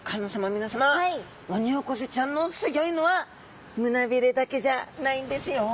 皆さまオニオコゼちゃんのすギョいのは胸鰭だけじゃないんですよ！